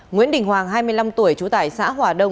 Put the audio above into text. nguyễn đình hoàng hai mươi năm tuổi trú tại xã hòa đông